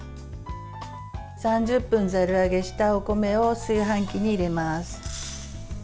３０分、ざるあげしたお米を炊飯器に入れます。